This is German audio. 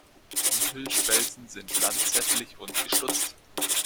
Die Hüllspelzen sind lanzettlich und gestutzt.